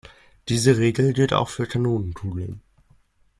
Diese Regel gilt auch für Kanonenkugeln.